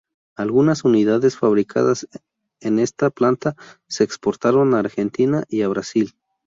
Algunas unidades fabricadas en esta planta se exportaron a Argentina y a Brasil.